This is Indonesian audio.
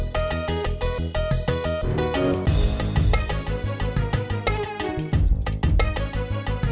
p admiration dan kepuasan